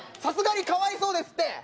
さすがにかわいそうですって。